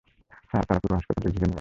Sir, তারা পুরো হাসপাতালটি ঘিরে নিয়েছে।